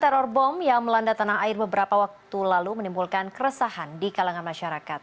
teror bom yang melanda tanah air beberapa waktu lalu menimbulkan keresahan di kalangan masyarakat